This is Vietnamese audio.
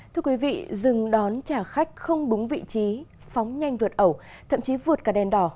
thưa quý vị dừng đón trả khách không đúng vị trí phóng nhanh vượt ẩu thậm chí vượt cả đèn đỏ